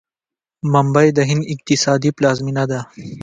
ممبۍ د هند اقتصادي پلازمینه ده.